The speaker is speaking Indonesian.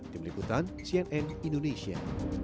di meliputan cnn indonesia